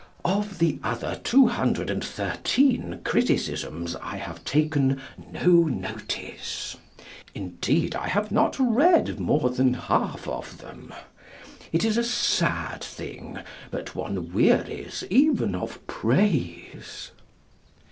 Of the other two hundred and thirteen criticisms I have taken no notice. Indeed, I have not read more than half of them. It is a sad thing, but one wearies even of praise.